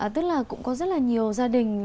tức là cũng có rất là nhiều gia đình